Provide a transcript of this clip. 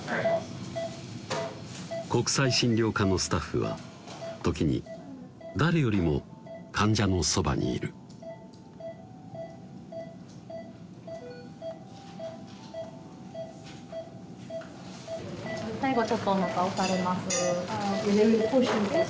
国際診療科のスタッフは時に誰よりも患者のそばにいる最後ちょっとおなか押されます